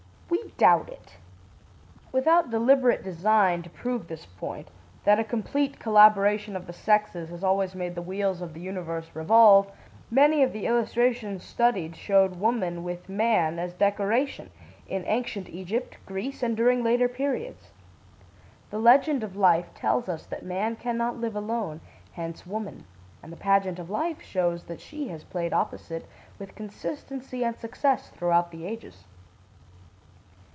We doubt it. Without deliberate design to prove this point, that a complete collaboration of the sexes has always made the wheels of the universe revolve, many of the illustrations studied showed woman with man as decoration, in Ancient Egypt, Greece, and during later periods. The Legend of Life tells us that man can not live alone, hence woman; and the Pageant of Life shows that she has played opposite with consistency and success throughout the ages.